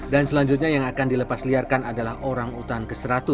dan selanjutnya yang akan dilepasliarkan adalah orangutan ke seratus